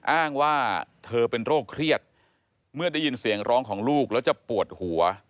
อ้างว่าเธอเป็นโรคเครียดเมื่อได้ยินเสียงร้องของลูกแล้วจะปวดหัว